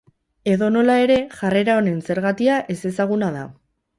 Edonola ere, jarrera honen zergatia ezezaguna da.